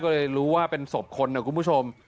ก็เลยรู้ว่าเป็นศพคนนะคุณผู้ชม